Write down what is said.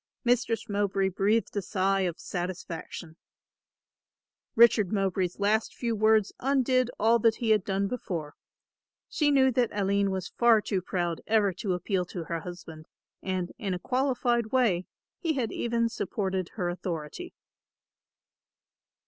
Mistress Mowbray breathed a sigh of satisfaction. Richard Mowbray's last few words undid all that he had done before. She knew that Aline was far too proud ever to appeal to her husband and, in a qualified way, he had even supported her authority.